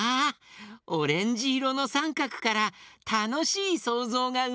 オレンジいろのさんかくからたのしいそうぞうがうまれた！